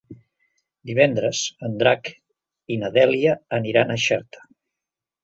Divendres en Drac i na Dèlia aniran a Xerta.